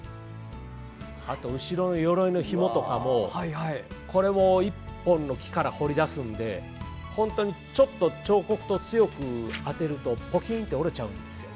あと、後ろのよろいのひもとかも１本の木から彫り出すのでちょっと彫刻刀を強く当てるとポキンと折れちゃうんですよ。